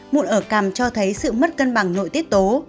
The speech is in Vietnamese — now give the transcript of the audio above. mụn ở càm cho thấy sự mất cân bằng nội tiết tố